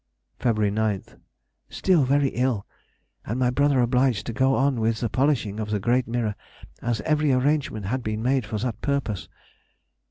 Feb. 9th.—Still very ill; and my brother obliged to go on with the polishing of the great mirror, as every arrangement had been made for that purpose.